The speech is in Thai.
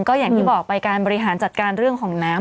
ก็อย่างที่บอกไปการบริหารจัดการเรื่องของน้ำ